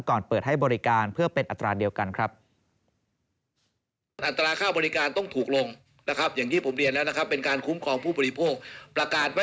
เปิดให้บริการเพื่อเป็นอัตราเดียวกันครับ